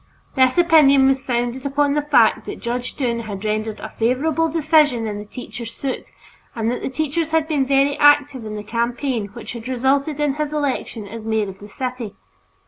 This opinion was founded upon the fact that Judge Dunne had rendered a favorable decision in the teachers' suit and that the teachers had been very active in the campaign which had resulted in his election as mayor of the city.